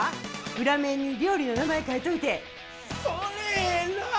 裏面に料理の名前書いといて。